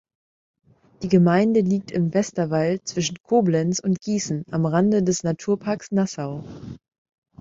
Die Gemeinde liegt im Westerwald zwischen Koblenz und Gießen am Rande des Naturpark Nassau.